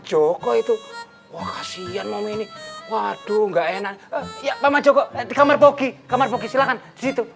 joko itu waduh nggak enak ya paman joko di kamar bogi kamar bogi silahkan di situ